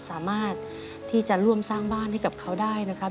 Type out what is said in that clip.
สามารถที่จะร่วมสร้างบ้านให้กับเขาได้นะครับ